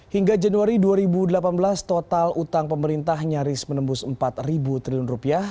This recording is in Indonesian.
hingga januari dua ribu delapan belas total utang pemerintah nyaris menembus empat triliun rupiah